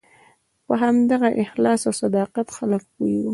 په همدغه اخلاص او صداقت خلک پوه وو.